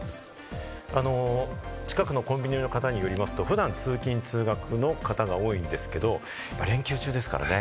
近くのコンビニの方によりますと普段、通勤・通学の方が多いんですけど、連休中ですからね。